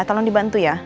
tolong dibantu ya